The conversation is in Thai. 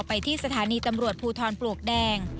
ไปที่สถานีตำรวจภูทรปลวกแดง